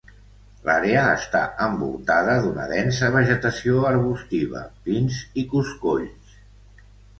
L'àrea està envoltada d'una densa vegetació arbustiva, pins i coscolls.